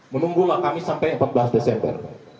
menunggulah kami sampai empat belas desember